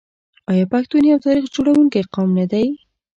آیا پښتون یو تاریخ جوړونکی قوم نه دی؟